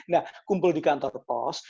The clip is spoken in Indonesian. nah kumpul di kantor pos